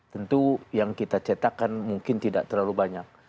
tentu yang kita cetakan mungkin tidak terlalu banyak